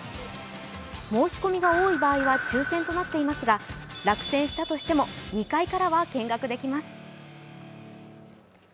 申し込みが多い場合は抽選となっていますが落選したとしても２階からは見学できます。